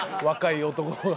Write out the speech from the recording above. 若い男が。